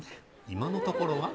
今のところは？